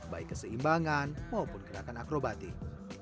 baik keseimbangan maupun gerakan akrobatik